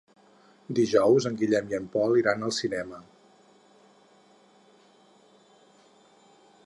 Dijous en Guillem i en Pol iran al cinema.